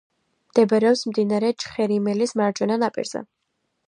მდებარეობს მდინარე ჩხერიმელის მარჯვენა ნაპირზე.